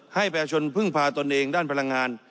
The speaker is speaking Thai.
ให้ประชาชนพึ่งพาตนเองด้านพลังงาน